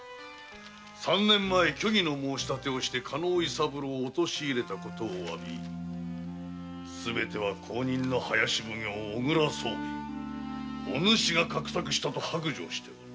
三年前虚偽の申し立てをして加納伊三郎を陥れたことを詫びすべては後任の林奉行のお主が画策したことだと白状している。